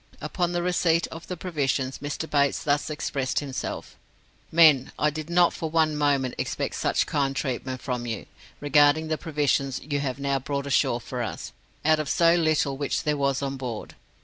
Upon the receipt of the provisions, Mr. Bates thus expressed himself: 'Men, I did not for one moment expect such kind treatment from you, regarding the provisions you have now brought ashore for us, out of so little which there was on board.